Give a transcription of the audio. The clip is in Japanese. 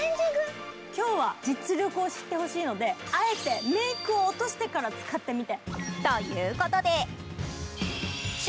今日は実力を知ってほしいので、あえてメイクを落としてから使ってみて。